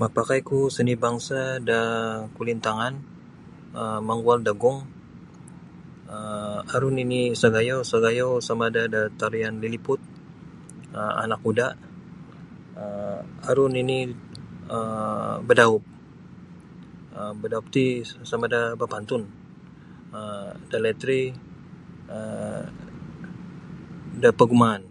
Mapakaiku seni bangsa da kulintangan um manggual da gong um aru nini sagayau sagayau sama da tarian Liliput Anak Kuda aru nini um badaup badaup ti sama da bapantun um dalaid ri um da pagumaan.